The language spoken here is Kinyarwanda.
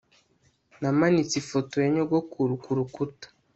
namanitse ifoto ya nyogokuru kurukuta